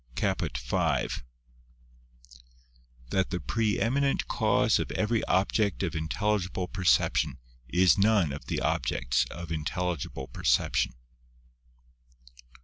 CAPUT V. That the pre eminent Cause of every object of intelligible perception is none of the objects of intelligible percep tion.